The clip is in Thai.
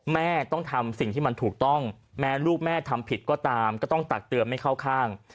แม่ต้องทำสิ่งที่มันถูกต้องแม้ลูกแม่ทำผิดก็ตามก็ต้องตักเตือนไม่เข้าข้าง